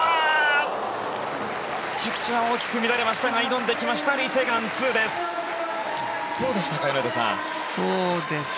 着地が大きく乱れましたが挑んできましたリ・セグァン２です。